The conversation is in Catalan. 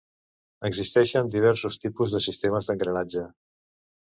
Existeixen diversos tipus de sistemes d'engranatge.